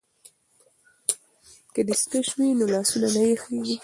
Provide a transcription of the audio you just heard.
که دستکش وي نو لاسونه نه یخیږي.